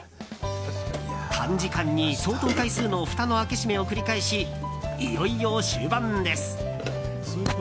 短時間に相当回数のふたの開け閉めを繰り返しいよいよ終盤です。